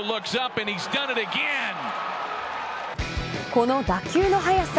この打球の速さ